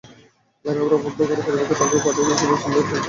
লেখাপড়া বন্ধ করে পরিবার তাকেও পাঠিয়েছে বরিশাল এলাকার ইটভাটায় কাজ করতে।